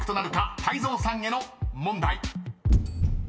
［泰造さんへの問題］